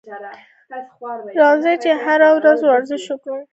راځئ چې هره ورځ ورزش وکړو.